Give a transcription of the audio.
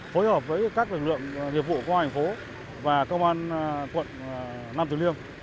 phối hợp với các lực lượng nhiệm vụ của hoa hành phố và công an quận nam tuyên liêm